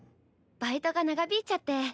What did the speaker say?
バイトが長引いちゃって。